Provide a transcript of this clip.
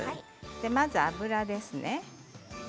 まずは油ですね。